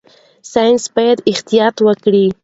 ساينس باید احتیاط وکړي.